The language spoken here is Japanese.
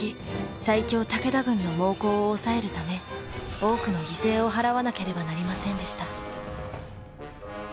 最強武田軍の猛攻を抑えるため多くの犠牲を払わなければなりませんでした。